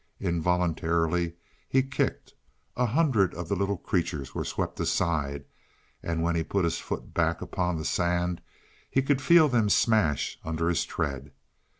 Involuntarily he kicked; a hundred of the little creatures were swept aside, and when he put his foot back upon the sand he could feel them smash under his tread.